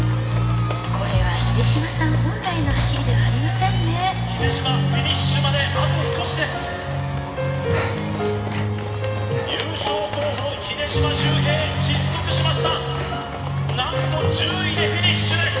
これは秀島さん本来の走りではありませんね秀島フィニッシュまであと少しです優勝候補の秀島修平失速しました何と１０位でフィニッシュです